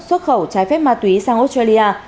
xuất khẩu trái phép ma túy sang australia